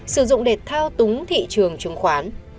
sử dụng để thao túng thị trường trường khoán